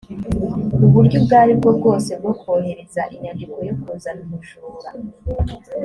uburyo ubwo ari bwo bwose bwo kohereza inyandiko yo kuzana umujura